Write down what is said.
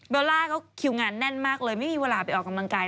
ล่าเขาคิวงานแน่นมากเลยไม่มีเวลาไปออกกำลังกาย